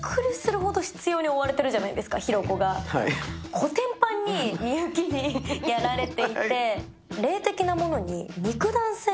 こてんぱんに美雪にやられていて。